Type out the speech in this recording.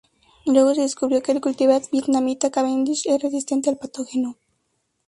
Luego se descubrió que el cultivar vietnamita Cavendish es resistente al patógeno.